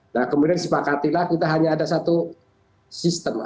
nah kemudian disepakatilah kita hanya ada satu sistem